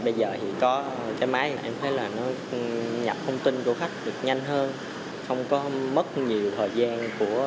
bây giờ thì có cái máy em thấy là nó nhập thông tin của khách được nhanh hơn không có mất nhiều thời gian